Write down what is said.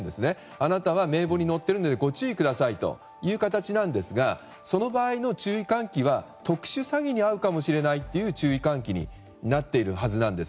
あなたは名簿に載っているのでご注意くださいという形なんですがその場合の注意喚起は特殊詐欺に遭うかもしれないという注意喚起になっているはずです。